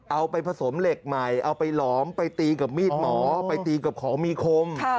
เอาไปผสมเหล็กใหม่เอาไปหลอมไปตีกับมีดหมอไปตีกับของมีคม